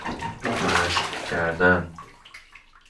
مشق کردن